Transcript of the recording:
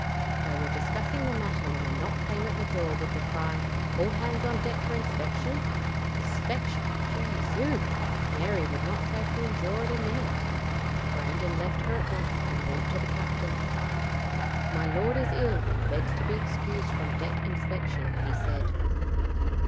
They were discussing the matter when a knock came at the door with the cry, "All hands on deck for inspection." Inspection! Jesu! Mary would not safely endure it a minute. Brandon left her at once and went to the captain. "My lord is ill, and begs to be excused from deck inspection," he said.